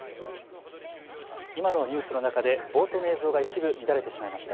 今のニュースの中で冒頭の映像が一部、乱れてしまいました。